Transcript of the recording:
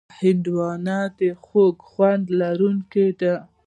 هندوانه د خوږ خوند لرونکې ده.